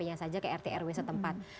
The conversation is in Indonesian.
hanya saja ke rt rw setempat